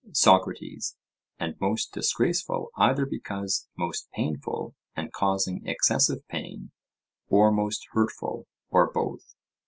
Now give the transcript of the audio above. SOCRATES: And most disgraceful either because most painful and causing excessive pain, or most hurtful, or both?